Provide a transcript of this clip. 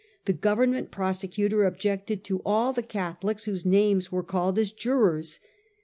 Tlie Government prosecutor objected to all tbe Catholics whose names were called as jurors.